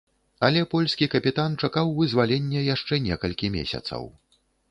Але польскі капітан чакаў вызвалення яшчэ некалькі месяцаў.